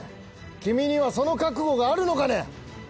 君にはその覚悟があるのかね。